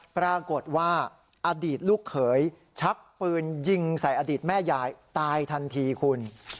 ปรากฏว่าอดีตลูกเขยชักปืนยิงใส่อดีตแม่ยายตายทันทีคุณ